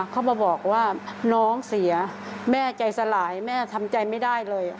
เขามาบอกว่าน้องเสียแม่ใจสลายแม่ทำใจไม่ได้เลย